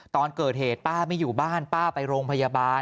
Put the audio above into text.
ตอนเกิดเหตุป้าไม่อยู่บ้านป้าไปโรงพยาบาล